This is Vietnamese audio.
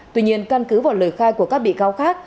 tuy nhiên căn cứ vào lời khai của các bị cáo khác